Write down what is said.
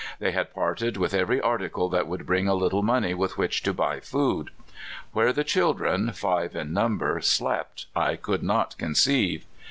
They had parted with every arti Ae that would bring a little money with which tc buy food. Where the children, five in number slept I could not conceive.